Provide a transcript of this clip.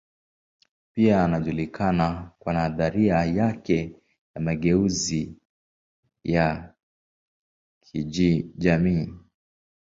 Pia anajulikana kwa nadharia yake ya mageuzi ya kijamii.